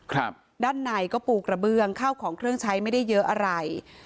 ครับด้านในก็ปูกระเบื้องข้าวของเครื่องใช้ไม่ได้เยอะอะไร